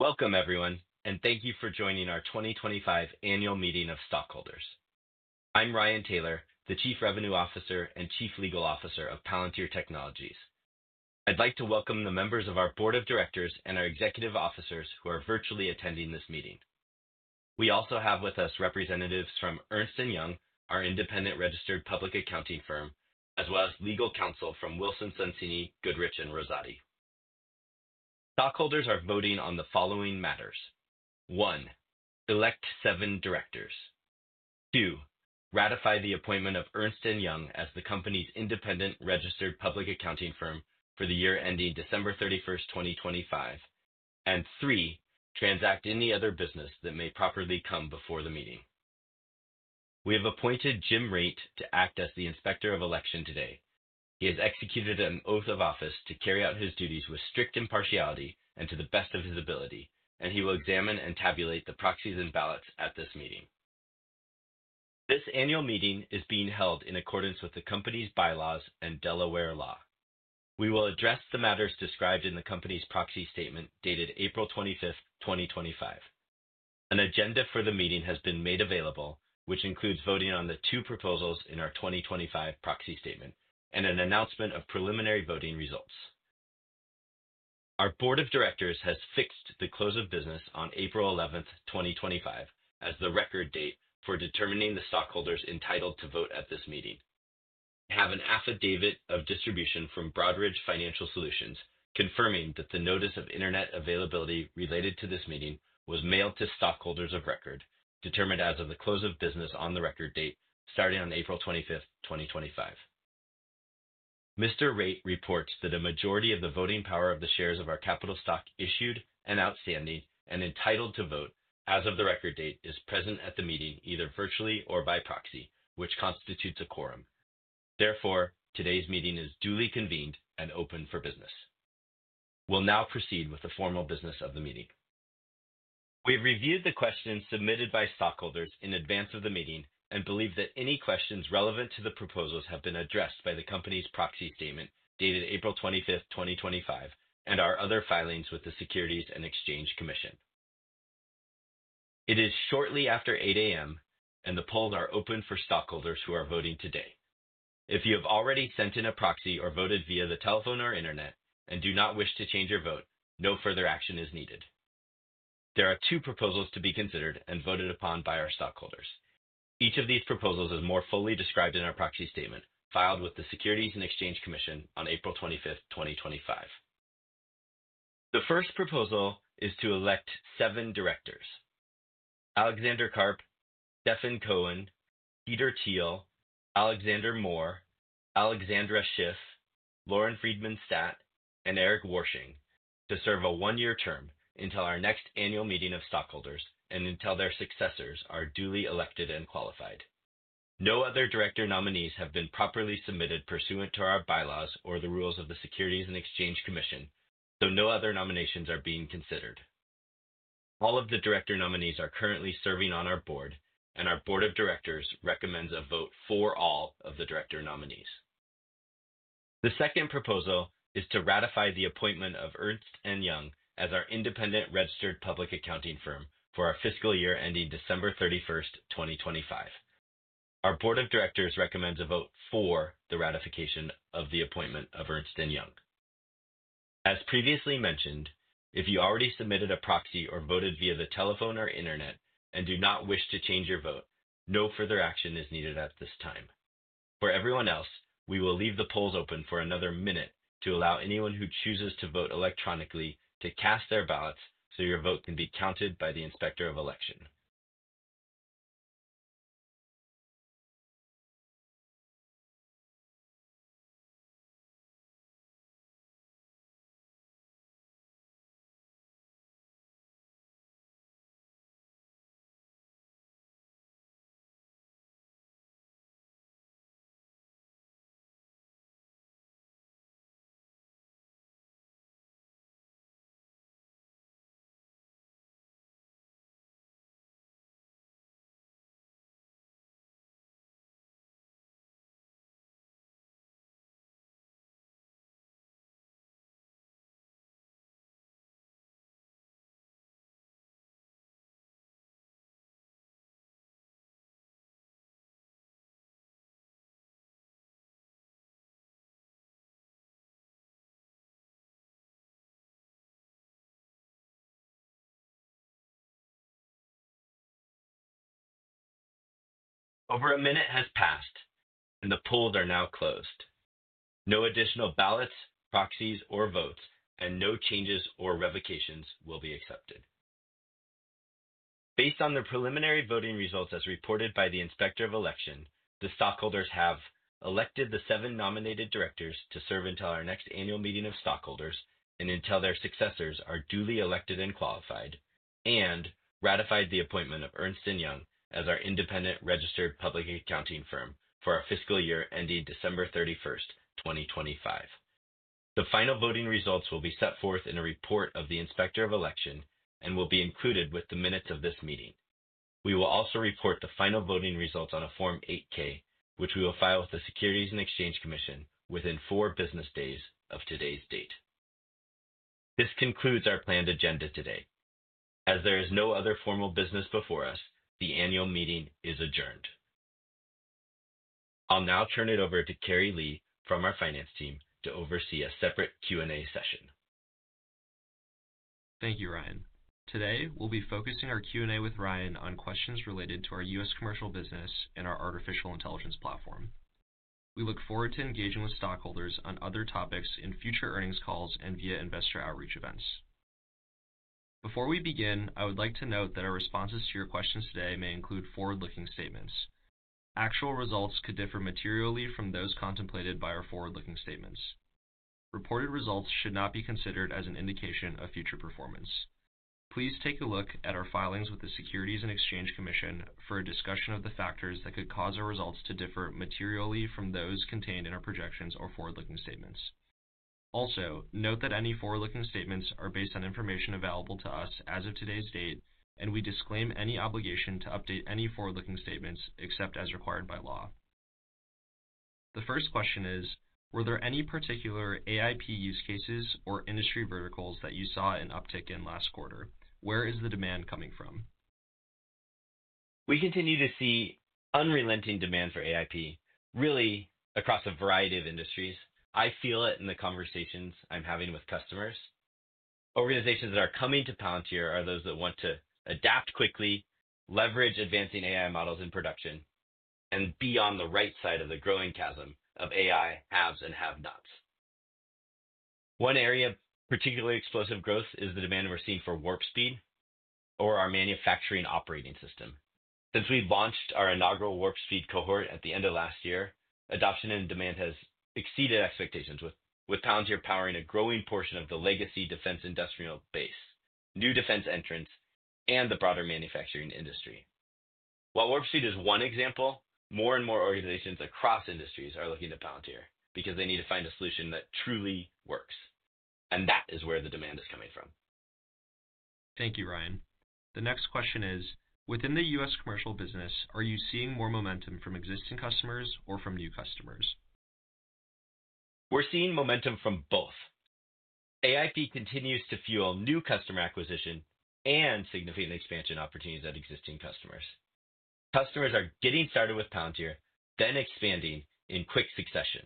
Welcome, everyone, and thank you for joining our 2025 Annual Meeting of Stockholders. I'm Ryan Taylor, the Chief Revenue Officer and Chief Legal Officer of Palantir Technologies. I'd like to welcome the members of our Board of Directors and our Executive Officers who are virtually attending this meeting. We also have with us representatives from Ernst & Young, our independent registered public accounting firm, as well as legal counsel from Wilson Sonsini Goodrich & Rosati. Stockholders are voting on the following matters: 1) Elect seven directors, 2) Ratify the appointment of Ernst & Young as the company's independent registered public accounting firm for the year ending December 31st, 2025, and 3) Transact any other business that may properly come before the meeting. We have appointed Jim Reint to act as the Inspector of Election today. He has executed an oath of office to carry out his duties with strict impartiality and to the best of his ability, and he will examine and tabulate the proxies and ballots at this meeting. This annual meeting is being held in accordance with the company's bylaws and Delaware law. We will address the matters described in the company's proxy statement dated April 25th, 2025. An agenda for the meeting has been made available, which includes voting on the two proposals in our 2025 proxy statement and an announcement of preliminary voting results. Our Board of Directors has fixed the close of business on April 11th, 2025, as the record date for determining the stockholders entitled to vote at this meeting. We have an affidavit of distribution from Broadridge Financial Solutions confirming that the notice of internet availability related to this meeting was mailed to stockholders of record, determined as of the close of business on the record date starting on April 25th, 2025. Mr. Reint reports that a majority of the voting power of the shares of our capital stock issued and outstanding and entitled to vote as of the record date is present at the meeting either virtually or by proxy, which constitutes a quorum. Therefore, today's meeting is duly convened and open for business. We'll now proceed with the formal business of the meeting. We've reviewed the questions submitted by stockholders in advance of the meeting and believe that any questions relevant to the proposals have been addressed by the company's proxy statement dated April 25th, 2025, and our other filings with the Securities and Exchange Commission. It is shortly after 8:00 A.M., and the polls are open for stockholders who are voting today. If you have already sent in a proxy or voted via the telephone or internet and do not wish to change your vote, no further action is needed. There are two proposals to be considered and voted upon by our stockholders. Each of these proposals is more fully described in our proxy statement filed with the Securities and Exchange Commission on April 25th, 2025. The first proposal is to elect seven directors: Alexander Karp, Stephen Cohen, Peter Thiel, Alexander Moore, Alexandra Schiff, Lauren Friedman-Statt, and Eric Woersching to serve a one-year term until our next annual meeting of stockholders and until their successors are duly elected and qualified. No other director nominees have been properly submitted pursuant to our bylaws or the rules of the Securities and Exchange Commission, so no other nominations are being considered. All of the director nominees are currently serving on our board, and our Board of Directors recommends a vote for all of the director nominees. The second proposal is to ratify the appointment of Ernst & Young as our independent registered public accounting firm for our fiscal year ending December 31st, 2025. Our Board of Directors recommends a vote for the ratification of the appointment of Ernst & Young. As previously mentioned, if you already submitted a proxy or voted via the telephone or internet and do not wish to change your vote, no further action is needed at this time. For everyone else, we will leave the polls open for another minute to allow anyone who chooses to vote electronically to cast their ballots so your vote can be counted by the Inspector of Election. Over a minute has passed, and the polls are now closed. No additional ballots, proxies, or votes, and no changes or revocations will be accepted. Based on the preliminary voting results as reported by the Inspector of Election, the stockholders have: elected the seven nominated directors to serve until our next annual meeting of stockholders and until their successors are duly elected and qualified, and ratified the appointment of Ernst & Young as our independent registered public accounting firm for our fiscal year ending December 31st, 2025. The final voting results will be set forth in a report of the Inspector of Election and will be included with the minutes of this meeting. We will also report the final voting results on a Form 8-K, which we will file with the Securities and Exchange Commission within four business days of today's date. This concludes our planned agenda today. As there is no other formal business before us, the annual meeting is adjourned. I'll now turn it over to Kerry Lee from our finance team to oversee a separate Q&A session. Thank you, Ryan. Today, we'll be focusing our Q&A with Ryan on questions related to our U.S. commercial business and our artificial intelligence platform. We look forward to engaging with stockholders on other topics in future earnings calls and via investor outreach events. Before we begin, I would like to note that our responses to your questions today may include forward-looking statements. Actual results could differ materially from those contemplated by our forward-looking statements. Reported results should not be considered as an indication of future performance. Please take a look at our filings with the Securities and Exchange Commission for a discussion of the factors that could cause our results to differ materially from those contained in our projections or forward-looking statements. Also, note that any forward-looking statements are based on information available to us as of today's date, and we disclaim any obligation to update any forward-looking statements except as required by law. The first question is: Were there any particular AIP use cases or industry verticals that you saw an uptick in last quarter? Where is the demand coming from? We continue to see unrelenting demand for AIP, really, across a variety of industries. I feel it in the conversations I'm having with customers. Organizations that are coming to Palantir are those that want to adapt quickly, leverage advancing AI models in production, and be on the right side of the growing chasm of AI haves and have-nots. One area of particularly explosive growth is the demand we're seeing for Warp Speed or our manufacturing operating system. Since we launched our inaugural Warp Speed cohort at the end of last year, adoption and demand has exceeded expectations, with Palantir powering a growing portion of the legacy defense industrial base, new defense entrants, and the broader manufacturing industry. While Warp Speed is one example, more and more organizations across industries are looking to Palantir because they need to find a solution that truly works, and that is where the demand is coming from. Thank you, Ryan. The next question is: Within the U.S. commercial business, are you seeing more momentum from existing customers or from new customers? We're seeing momentum from both. AIP continues to fuel new customer acquisition and significant expansion opportunities at existing customers. Customers are getting started with Palantir, then expanding in quick succession.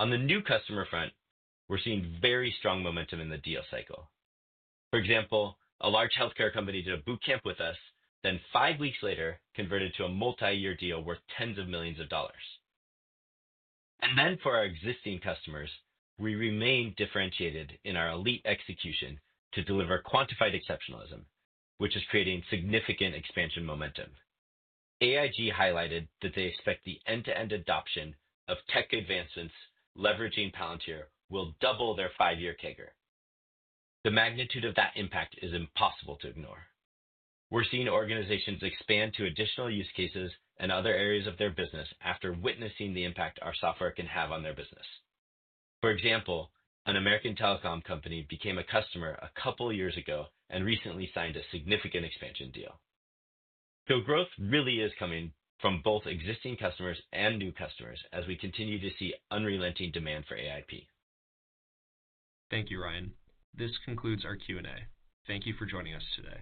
On the new customer front, we're seeing very strong momentum in the deal cycle. For example, a large healthcare company did a boot camp with us, then five weeks later converted to a multi-year deal worth tens of millions of dollars. For our existing customers, we remain differentiated in our elite execution to deliver quantified exceptionalism, which is creating significant expansion momentum. AIG highlighted that they expect the end-to-end adoption of tech advancements leveraging Palantir will double their five-year CAGR. The magnitude of that impact is impossible to ignore. We're seeing organizations expand to additional use cases and other areas of their business after witnessing the impact our software can have on their business. For example, an American telecom company became a customer a couple of years ago and recently signed a significant expansion deal. Growth really is coming from both existing customers and new customers as we continue to see unrelenting demand for AIP. Thank you, Ryan. This concludes our Q&A. Thank you for joining us today.